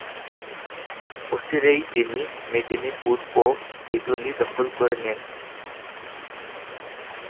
অচিরেই তিনি মেদিনীপুর ও হিজলি দখল করে নেন।